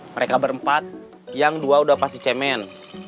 mereka berempat yang dua udah pasti cemen